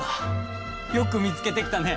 よく見つけてきたね！